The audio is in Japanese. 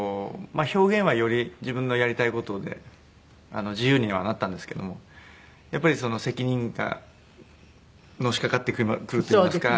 表現はより自分のやりたい事で自由にはなったんですけどもやっぱり責任がのしかかってくるといいますか。